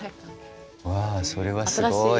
わあそれはすごい。